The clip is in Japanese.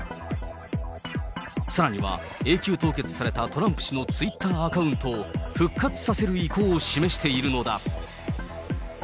さらには、永久凍結されたトランプ氏のツイッターアカウントを、復活させる意向を示しているのだ。